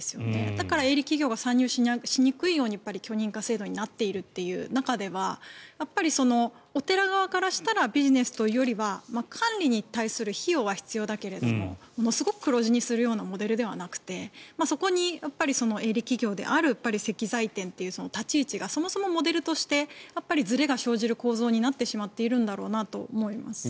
だから営利企業が参入しにくい許認可制度になっているといううえではお寺側からしたらビジネスというよりは管理に対する費用は必要だけど黒字にするようなモデルではなくてそこに営利企業である石材店という立ち位置がそもそもモデルとしてずれが生じる構造になっているんだろうなと思います。